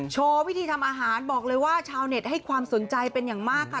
โชว์วิธีทำอาหารบอกเลยว่าชาวเน็ตให้ความสนใจเป็นอย่างมากค่ะ